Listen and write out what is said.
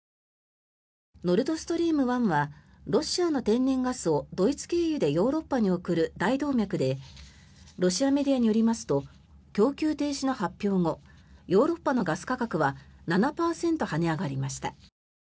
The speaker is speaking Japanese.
ノルド・ストリーム１はロシアの天然ガスをドイツ経由でヨーロッパに送る大動脈でロシアメディアによりますと供給停止の発表後ヨーロッパのガス価格は７％跳ね上がりました。